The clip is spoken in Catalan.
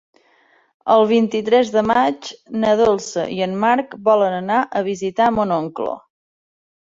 El vint-i-tres de maig na Dolça i en Marc volen anar a visitar mon oncle.